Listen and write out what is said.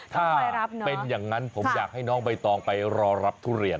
ถ้าเป็นอย่างนั้นผมอยากให้น้องใบตองไปรอรับทุเรียน